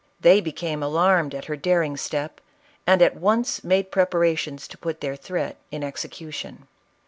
They became alarmed at her daring step, and at onoo made preparations to put their threat in execution.